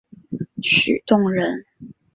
许洞人。